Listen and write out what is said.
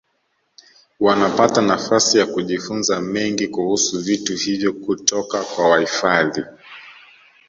Wanapata nafasi ya kujifunza mengi kuhusu vitu hivyo kutoka kwa wahifadhi